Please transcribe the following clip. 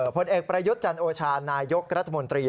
ผลเอกประยุทธ์จันโอชานายกรัฐมนตรี